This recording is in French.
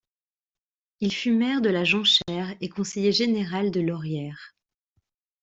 Il fut maire de la Jonchère et conseiller général de Laurière.